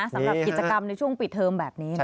สำหรับกิจกรรมในช่วงปิดเทอมแบบนี้